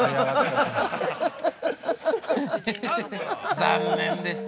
◆残念でした。